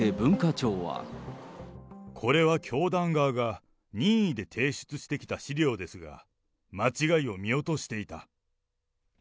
これは教団側が、任意で提出してきた資料ですが、間違いを見落としていた。